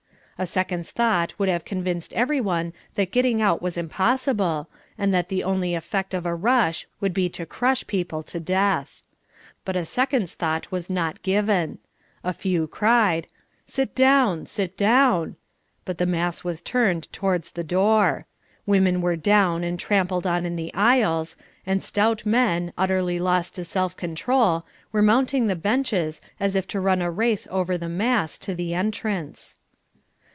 A second's thought would have convinced every one that getting out was impossible, and that the only effect of a rush would be to crash people to death. But a second's thought was not given. A few cried: "Sit down, sit down," but the mass was turned towards the door. Women were down and trampled on in the aisles, and stout men, utterly lost to self control, were mounting the benches, as if to run a race over the mass to the entrance.